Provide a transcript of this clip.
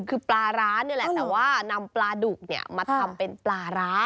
คือปลาร้านี่แหละแต่ว่านำปลาดุกมาทำเป็นปลาร้า